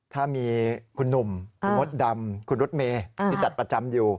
ถ้ามีคุณหนุ่มคุณมดดำคุณรถเมย์ที่จัดประจำอยู่